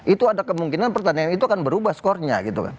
itu ada kemungkinan pertandingan itu kan berubah skornya gitu kan